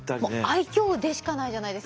愛嬌でしかないじゃないですか。